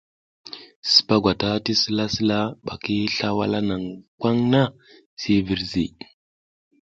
Sipa gwata ti sila ti sila ɓa ki sla wala naŋ kwaŋ ŋha si virzi.